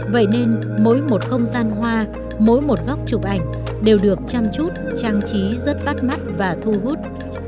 vậy nên mỗi một không gian hoa mỗi một góc chụp ảnh đều được chăm chút trang trí rất bắt mắt và thu hút